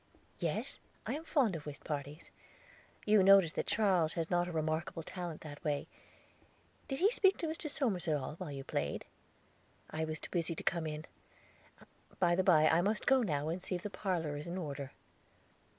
"Yes, I am fond of whist parties. You noticed that Charles has not a remarkable talent that way. Did he speak to Mr. Somers at all, while you played? I was too busy to come in. By the by, I must go now, and see if the parlor is in order."